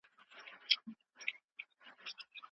که باران زیات شي، نو سیلاب به راشي.